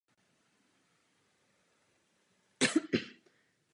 Počátky deskriptivní geometrie úzce souvisí s počátky stavebnictví.